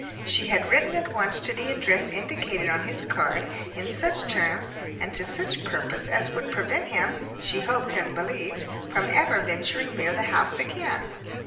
She had written at once to the address indicated on his card, in such terms and to such purpose as would prevent him, she hoped and believed, from ever venturing near the house again.